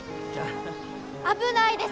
危ないです！